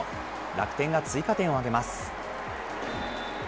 楽天が追加点を挙げます。